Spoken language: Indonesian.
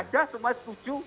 enggak aja semua setuju